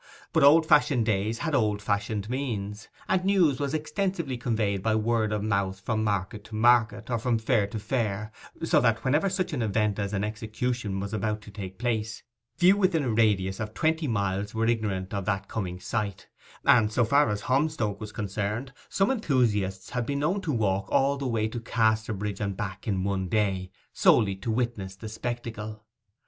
But old fashioned days had old fashioned means, and news was extensively conveyed by word of mouth from market to market, or from fair to fair, so that, whenever such an event as an execution was about to take place, few within a radius of twenty miles were ignorant of the coming sight; and, so far as Holmstoke was concerned, some enthusiasts had been known to walk all the way to Casterbridge and back in one day, solely to witness the spectacle.